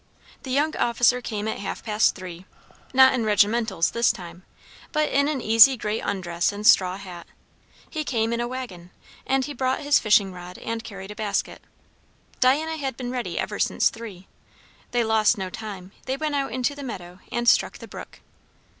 The young officer came at half past three; not in regimentals this time, but in an easy grey undress and straw hat. He came in a waggon, and he brought his fishing rod and carried a basket. Diana had been ready ever since three. They lost no time; they went out into the meadow and struck the brook.